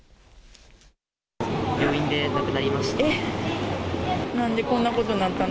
病院で亡くなりました。